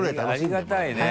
ありがたいね。